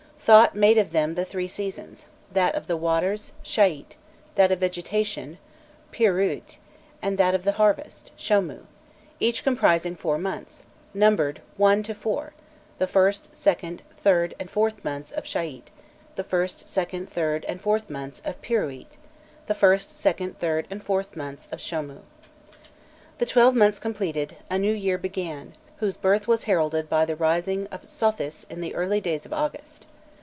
Thot made of them the three seasons, that of the waters, Shaît; that of vegetation, Pirûît; that of the harvest, Shômû each comprising four months, numbered one to four; the 1st, 2nd, 3rd, and 4th months of Shaît; the 1st, 2nd, 3rd, and 4th months of Pirûît; the 1st, 2nd, 3rd, and 4th months of Shômû. The twelve months completed, a new year began, whose birth was heralded by the rising of Sothis in the early days of August.